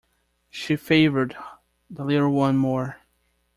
She favoured the little one more.